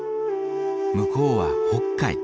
向こうは北海。